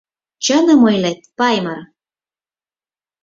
Чыным ойлет, Паймыр!